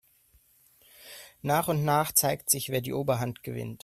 Nach und nach zeigt sich, wer die Oberhand gewinnt.